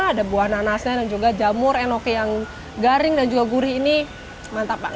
ada buah nanasnya dan juga jamur enoki yang garing dan juga gurih ini mantap pak